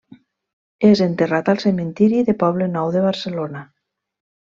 És enterrat al Cementiri de Poble Nou de Barcelona.